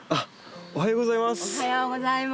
おはようございます。